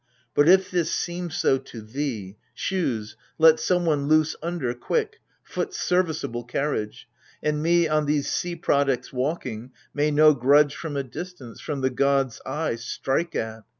But if this seem so to thee — shoes, let someone I.oose under, quick — foot's serviceable carriage ! And me, on these sea products walking, may no Grudge from a distance, from the god's eye, strike at